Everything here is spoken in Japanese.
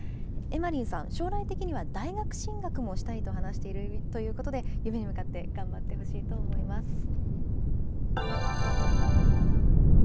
エマリンさん、将来的には大学進学もしたいと話しているということで、夢に向かって頑張ってほしいと思います。